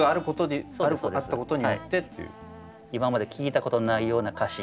今まで聴いたことのないような歌詞